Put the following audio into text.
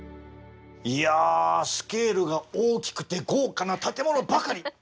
いやスケールが大きくて豪華な建物ばかり。